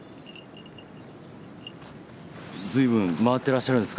随分回ってらっしゃるんですか？